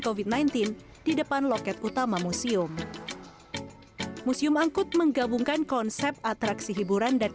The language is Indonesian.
covid sembilan belas di depan loket utama museum museum angkut menggabungkan konsep atraksi hiburan dan